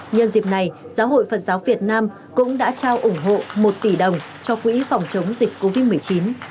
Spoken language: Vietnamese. nhân dịp này giáo hội phật giáo việt nam cũng đã trao ủng hộ một tỷ đồng cho quỹ phòng chống dịch covid một mươi chín